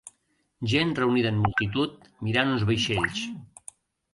Gent reunida en multitud mirant uns vaixells.